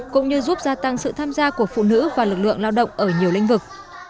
cũng như giúp gia tăng sự tham gia của phụ nữ và lực lượng lao động ở nhiều lĩnh vực